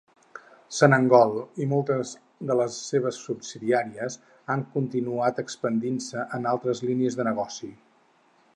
Sonangol i moltes de les seves subsidiàries han continuat expandint-se en altres línies de negoci.